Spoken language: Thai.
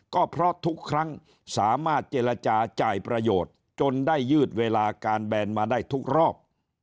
ก็เพราะทุกครั้งสามารถเจรจาจ่ายประโยชน์จนได้ยืดเวลาการแบนมาได้ทุกรอบ